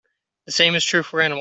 The same is true for animals.